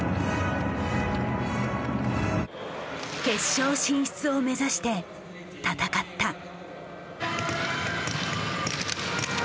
決勝進出を目指して戦った。